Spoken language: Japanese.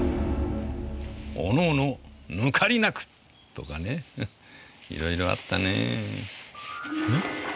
「おのおのぬかりなく」とかねいろいろあったね。